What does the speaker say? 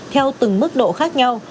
theo từng mức độ khác nhau